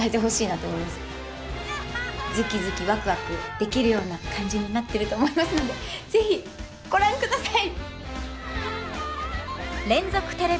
ズキズキワクワクできるような感じになってると思いますので是非ご覧ください！